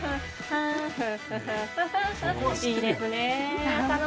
いいですね。